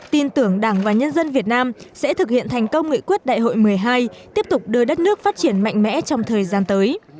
tin tưởng đảng và nhân dân việt nam sẽ thực hiện thành công nghị quyết đại hội một mươi hai tiếp tục đưa đất nước phát triển mạnh mẽ trong thời gian tới